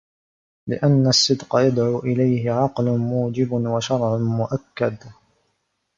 لِأَنَّ الصِّدْقَ يَدْعُو إلَيْهِ عَقْلٌ مُوجِبٌ وَشَرْعٌ مُؤَكَّدٌ